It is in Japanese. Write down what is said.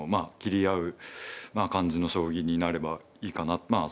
斬り合う感じの将棋になればいいかな。